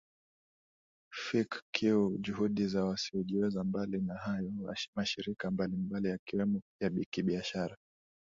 Fid Q Juhudi za Wasiojiweza Mbali na hayo mashirika mbali mbali yakiwemo ya kibiashara